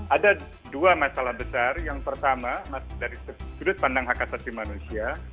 ada dua masalah besar yang pertama dari sudut pandang hak asasi manusia